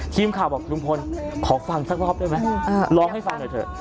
ทีมข่าวบอกลุงพลขอฟังสักรอบได้ไหมร้องให้ฟังหน่อยเถอะ